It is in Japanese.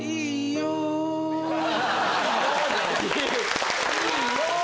すごい！